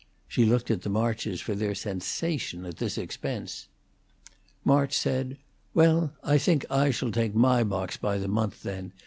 She looked at the Marches for their sensation at this expense. March said: "Well, I think I shall take my box by the month, then.